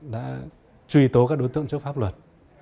đã truy tố các đối tượng trước pháp luật